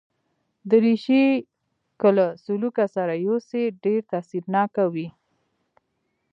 دریشي که له سلوکه سره یوسې، ډېر تاثیرناک وي.